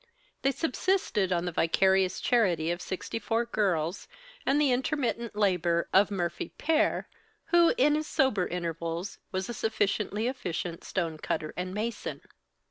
They subsisted on the vicarious charity of sixty four girls, and the intermittent labor of Murphy père, who, in his sober intervals, was a sufficiently efficient stone cutter and mason.